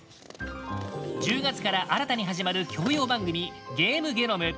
１０月から新たに始まる教養番組「ゲームゲノム」。